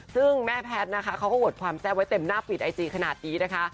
ซึ่งแม่แพทย์เขาก็บวชความแซมอยู่เต็มหน้าฝีดไอจีกขนาดนะคะ